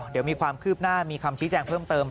เดี๋ยวมีความคืบหน้ามีคำชี้แจงเพิ่มเติม